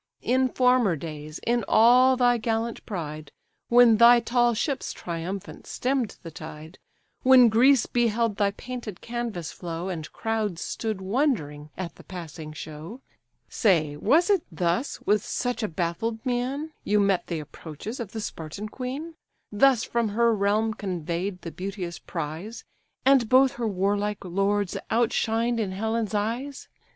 In former days, in all thy gallant pride, When thy tall ships triumphant stemm'd the tide, When Greece beheld thy painted canvas flow, And crowds stood wondering at the passing show, Say, was it thus, with such a baffled mien, You met the approaches of the Spartan queen, Thus from her realm convey'd the beauteous prize, And both her warlike lords outshined in Helen's eyes?